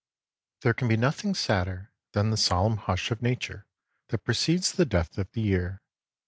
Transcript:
There can be nothing sadder than the solemn hush of nature that precedes the death of the year.